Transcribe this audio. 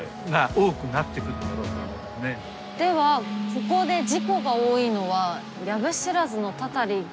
ではここで事故が多いのは藪知らずのたたりでは。